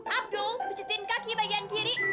abdul pijetin kaki bagian kiri